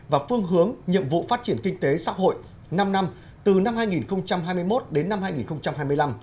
và phương hướng nhiệm vụ phát triển kinh tế xã hội năm năm từ năm hai nghìn hai mươi một đến năm hai nghìn hai mươi năm